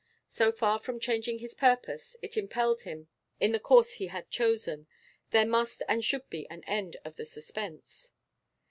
So far from changing his purpose, it impelled him in the course he had chosen. There must and should be an end of this suspense.